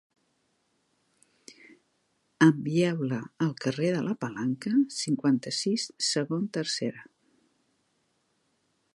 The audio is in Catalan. Envieu-la al carrer de la Palanca cinquanta-sis segon tercera.